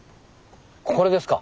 これですか。